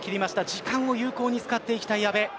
時間を有効に使っていきたい阿部です。